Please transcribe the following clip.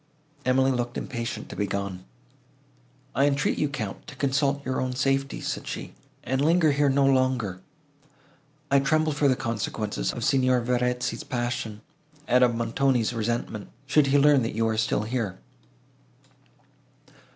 Emily looked impatient to be gone. "I entreat you, Count, to consult your own safety," said she, "and linger here no longer. I tremble for the consequences of Signor Verezzi's passion, and of Montoni's resentment, should he learn that you are still here."